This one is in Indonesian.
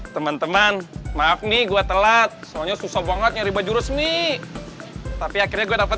teman teman maaf nih gue telat soalnya susah banget nyari baju resmi tapi akhirnya gue dapat